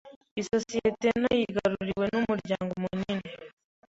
Isosiyete nto yigaruriwe n’umuryango munini.